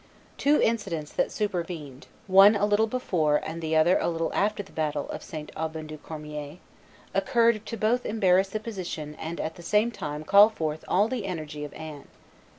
Two incidents that supervened, one a little before and the other a little after the battle of St. Aubin du Cormier, occurred to both embarrass the position and at the same time call forth all the energy of Anne.